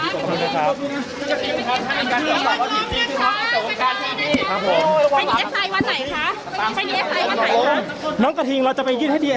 ขอบคุณนะครับขอบคุณนะครับขอบคุณนะครับ